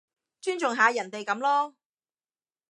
尊重下人哋噉囉